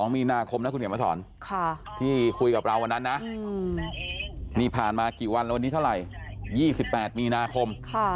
มีนาคมนะคุณเขียนมาสอนที่คุยกับเราวันนั้นนะนี่ผ่านมากี่วันแล้ววันนี้เท่าไหร่๒๘มีนาคม